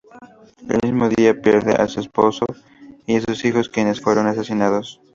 El mismo día, pierde a su esposo y a sus hijos, quienes fueron asesinados.